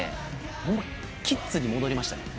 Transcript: ホンマキッズに戻りましたね。